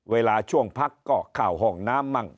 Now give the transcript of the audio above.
เวลาช่วงพักก็เข้าห้องน้ำมั่ง